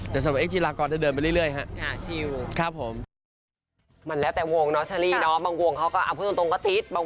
แต่สำหรับเอ็กจิลากรจะเดินไปเรื่อยครับผม